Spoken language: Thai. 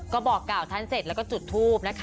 ก็บอกเก่าทันเสร็จแล้วก็จุดทูปค่ะ